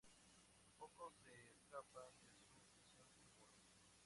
Pocos se escapan de su prisión sin muros.